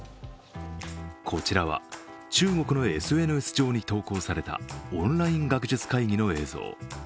こちらは中国のＳＮＳ上に投稿されたオンライン学術会議の映像。